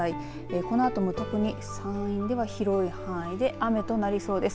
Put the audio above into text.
このあとも特に山陰では広い範囲で雨となりそうです。